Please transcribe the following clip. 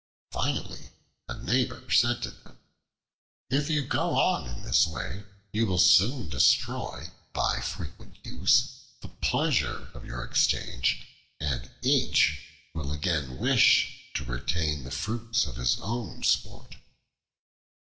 Finally a neighbor said to them, "If you go on in this way, you will soon destroy by frequent use the pleasure of your exchange, and each will again wish to retain the fruits of his own sport."